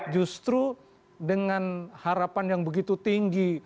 justru dengan harapan yang begitu tinggi